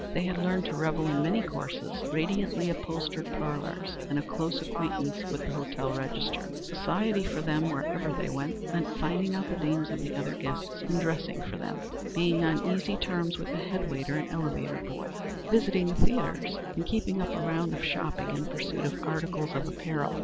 They had learned to revel in many courses, radiantly upholstered parlors, and a close acquaintance with the hotel register. Society for them, wherever they went, meant finding out the names of the other guests and dressing for them, being on easy terms with the head waiter and elevator boy, visiting the theatres, and keeping up a round of shopping in pursuit of articles of apparel.